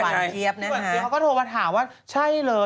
พี่หวานเจี๊ยบก็โทรมาถามว่าใช่เลย